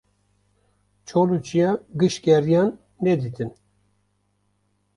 Çol û çiya gişt geriyan nedîtin.